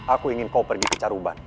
aku ingin kau pergi ke caruban